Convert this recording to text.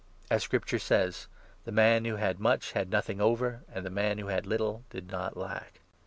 As Scripture says — 15 ' The man who had much had nothing over, and the man who had little did not lack